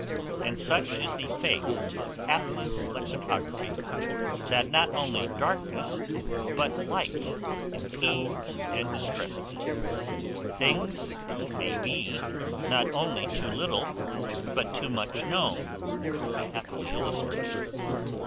And such is the fate of hapless lexicography, that not only darkness, but light, impedes and distresses it; things may be not only too little, but too much known, to be happily illustrated.